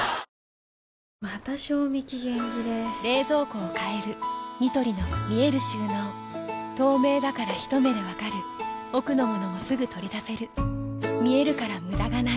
また賞味期限切れ冷蔵庫を変えるニトリの見える収納透明だからひと目で分かる奥の物もすぐ取り出せる見えるから無駄がないよし。